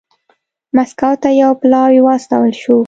مسکو ته یو پلاوی واستول شو.